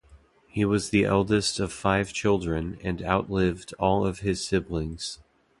He was the eldest of five children and outlived all of his siblings.